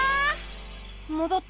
もどった！